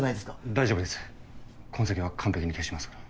大丈夫です痕跡は完璧に消しますから。